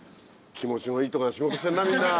気持ちのいい所で仕事してんなみんな。